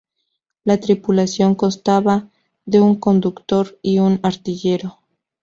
La tripulación constaba de un conductor y un artillero.